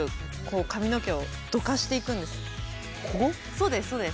そうですそうです。